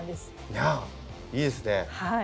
いやあいいですね。